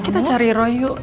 kita cari roy yuk